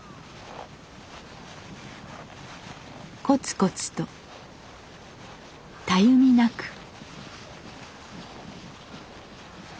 こつこつとたゆみなく。